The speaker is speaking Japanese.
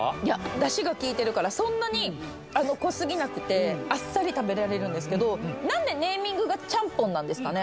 出汁がきいてるからそんなに濃すぎなくてあっさり食べられるんですけど何でネーミングがチャンポンなんですかね？